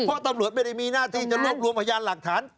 เพราะตำรวจไม่ได้มีหน้าที่จะรวบรวมพยานหลักฐาน